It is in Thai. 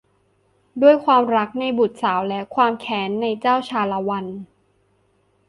ด้วยความรักในบุตรสาวและความแค้นในเจ้าชาละวัน